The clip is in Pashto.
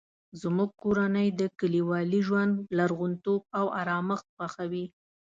زموږ کورنۍ د کلیوالي ژوند لرغونتوب او ارامښت خوښوي